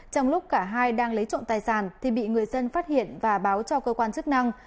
trong lúc cả hai đang lấy trộm tài sản thì bị người dân phát hiện và báo cho cơ quan chức năng